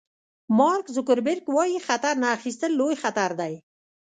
مارک زوګربرګ وایي خطر نه اخیستل لوی خطر دی.